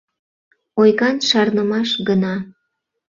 Ойган шарнымаш гына.»